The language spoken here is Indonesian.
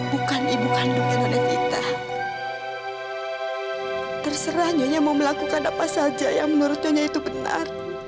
bukan ibu kandungnya nevita terserahnya mau melakukan apa saja yang menurutnya itu benar